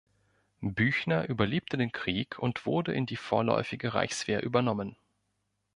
Büchner überlebte den Krieg und wurde in die Vorläufige Reichswehr übernommen.